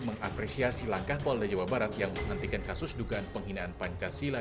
mengapresiasi langkah polda jawa barat yang menghentikan kasus dugaan penghinaan pancasila